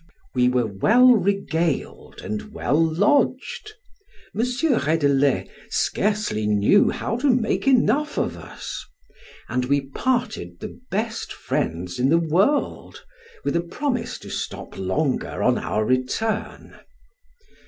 We were well regaled and well lodged: M. Reydelet scarcely knew how to make enough of us; and we parted the best friends in the world, with a promise to stop longer on our return.